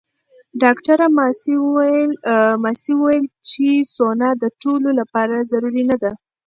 ډاکټره ماسي وویل چې سونا د ټولو لپاره ضروري نه ده.